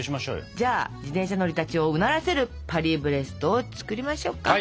じゃあ自転車乗りたちをうならせるパリブレストを作りましょうか。